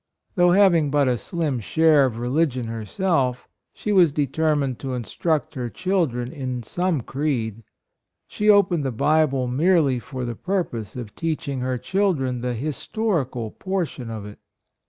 Though hav ing but a slim share of religion her self, she was determined to instruct 3 22 HIS MOTHER her children in some creed ; she opened the Bible merely for the purpose of teaching her children the historical portion of it.